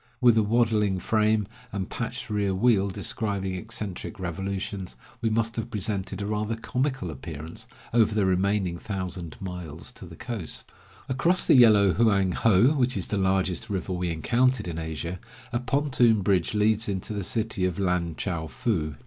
With a waddling frame, and patched rear wheel describing eccentric revolutions, we must have presented a rather comical appearance over the remaining thousand miles to the coast. 179 MONUMENT TO THE BUILDER OF A BRIDGE. Across the Yellow Hoang ho, which is the largest river we encountered in Asia, a pontoon bridge leads into the city of Lan chou foo.